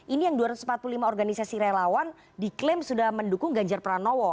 ini yang dua ratus empat puluh lima organisasi relawan diklaim sudah mendukung ganjar pranowo